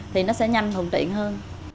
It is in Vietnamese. thì nó sẽ nhanh thuận tiện hơn